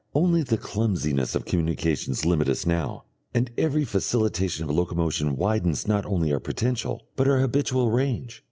Only the clumsiness of communications limit us now, and every facilitation of locomotion widens not only our potential, but our habitual range.